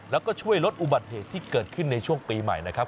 แล้วก็ช่วยลดอุบัติเหตุที่เกิดขึ้นในช่วงปีใหม่นะครับ